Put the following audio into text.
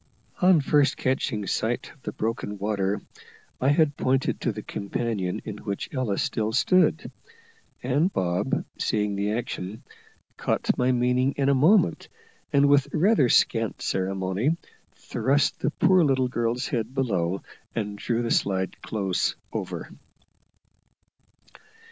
On first catching sight of the broken water, I had pointed to the companion in which Ella still stood; and Bob, seeing the action, caught my meaning in a moment, and with rather scant ceremony, thrust the poor little girl's head below and drew the slide close over.